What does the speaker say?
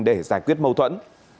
để giải quyết mâu thuẫn